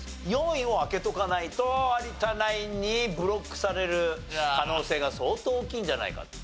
４位を開けとかないと有田ナインにブロックされる可能性が相当大きいんじゃないかと。